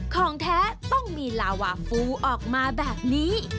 ของแท้ต้องมีลาวาฟูออกมาแบบนี้